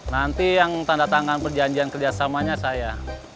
nanti yang tandatangan perjanjian kerjasamanya saya